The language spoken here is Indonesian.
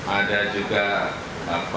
ada juga apa